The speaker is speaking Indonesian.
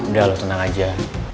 udah lo tenang aja